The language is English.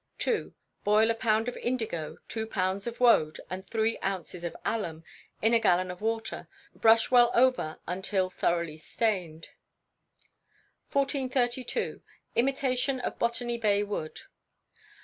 ii. Boil a pound of indigo, two pounds of woad, and three ounces of alum, in a gallon of water; brush well over until thoroughly stained. 1432. Imitation of Botany Bay Wood.